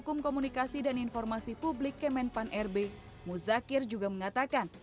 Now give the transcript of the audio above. hukum komunikasi dan informasi publik kemenpan rb muzakir juga mengatakan